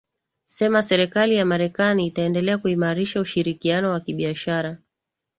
sema serikali ya marekani itaendelea kuimarisha ushirikiano wa kibiashara